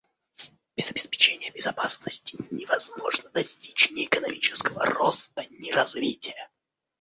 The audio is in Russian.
Без обеспечения безопасности невозможно достичь ни экономического роста, ни развития.